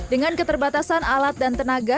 dengan keterbatasan alat dan tenaga